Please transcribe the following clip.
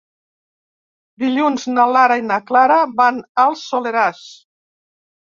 Dilluns na Lara i na Clara van al Soleràs.